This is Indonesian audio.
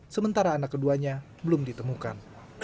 sementara anak keduanya belum ditemukan